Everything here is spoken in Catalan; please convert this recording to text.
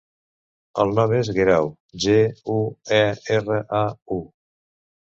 El nom és Guerau: ge, u, e, erra, a, u.